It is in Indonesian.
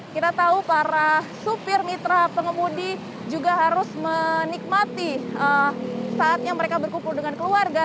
kita tahu para supir mitra pengemudi juga harus menikmati saatnya mereka berkumpul dengan keluarga